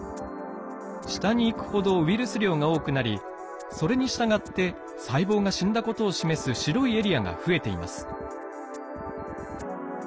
下にいくほどウイルス量が多くなりそれにしたがって細胞が死んだことを示す白いエリアが増えています。